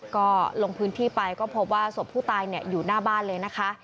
ก็ลงพื้นที่ไปก็พบว่าศพผู้ตายอยู่หน้าบ้านเลยนะคะ